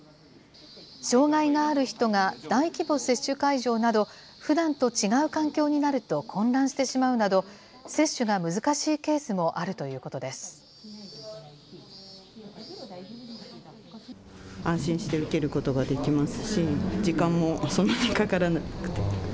障害がある人が大規模接種会場など、ふだんと違う環境になると混乱してしまうなど、接種が難しいケースもあるということです。